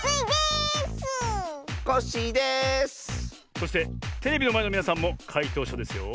そしてテレビのまえのみなさんもかいとうしゃですよ。